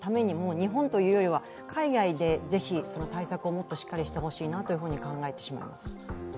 日本というよりは海外でぜひその対策をもっとしっかりしてほしいなと考えてしまいます。